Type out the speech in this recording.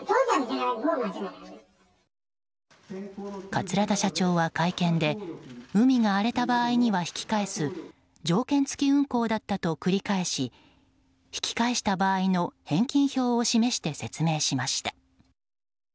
桂田社長は会見で海が荒れた場合には引き返す条件付き運航だったと繰り返し引き返した場合の返金表を示して説明しました。